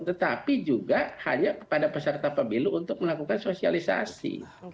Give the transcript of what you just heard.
tetapi juga hanya kepada peserta pemilu untuk melakukan sosialisasi